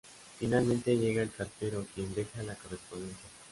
Finalmente llega el cartero quien deja la correspondencia.